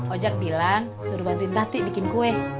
ojak bilang suruh bantuin tati bikin kue